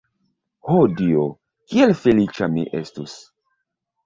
Ho Dio, kiel feliĉa mi estus!